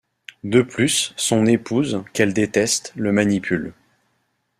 De plus, son épouse, qu'elle déteste, le manipule.